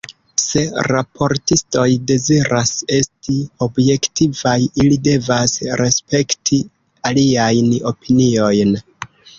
Se raportistoj deziras esti objektivaj, ili devas respekti aliajn opiniojn.